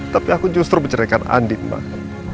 tapi aku justru menceritakan andin mbak